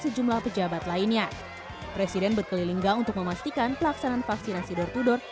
sejumlah pejabat lainnya presiden berkelilingga untuk memastikan pelaksanaan vaksinasi dor dor